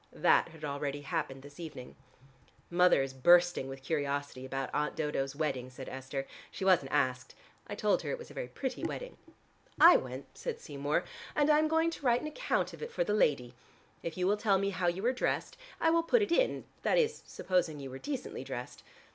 That had already happened this evening. "Mother is bursting with curiosity about Aunt Dodo's wedding," said Esther. "She wasn't asked. I told her it was a very pretty wedding." "I went," said Seymour, "and I am going to write an account of it for The Lady. If you will tell me how you were dressed, I will put it in, that is supposing you were decently dressed.